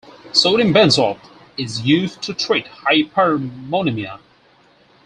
Sodium benzoate is used to treat hyperammonemia.